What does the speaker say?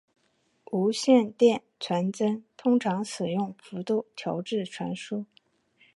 无线电传真通常使用幅度调制传输。